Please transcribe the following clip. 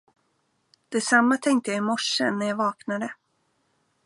Detsamma tänkte jag i morse, när jag vaknade.